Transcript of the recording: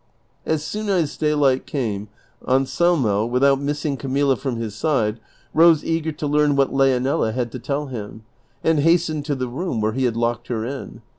As soon as daylight came Anselmo, without missing Camilla from his side, rose eager to learn what Leonela had to tell him, and hast ened to the room where he had locked lier in.